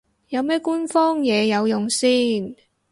有咩官方嘢有用先